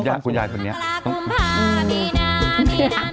มันติดคุกออกไปออกมาได้สองเดือน